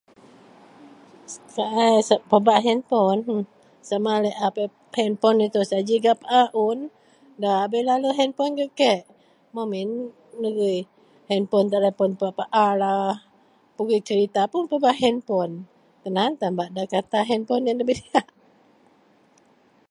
Sai pebak henpon huh, sama laei a henpon itou saji gak paa un, nda bei lalu henpon gak kek, memin pegui henpon ndapaalah. Pegui cerita puun pebak henpon. Tan aan tan bak ngata henpon yen debei diyak.